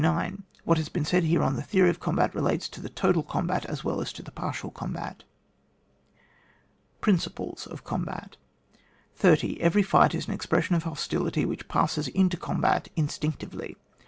What has been said here on the theory of combat, relates to the total combat, as well as to the partial combat. Principles of the combat 30. Every fight is an expression of hos tility, which passes into combat instinc tively.